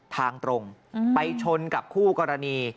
ทางตรงไปชนกับคู่กรณี